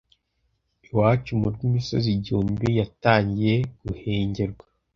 Iwacu mu rw’imisozi igihumbi yatangiye kuhengerwa